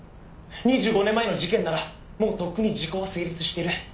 「２５年前の事件ならもうとっくに時効は成立している」